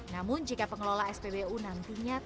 namun jika pengelola spbu nantinya